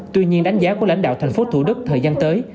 tuy nhiên đánh giá của lãnh đạo tp thủ đức thời gian tới